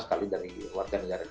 sekali dari warga negara